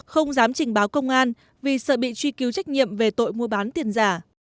không dám trình báo công an vì sợ bị truy cứu trách nhiệm về tội mua bán tiền giả